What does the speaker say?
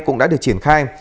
cũng đã được triển khai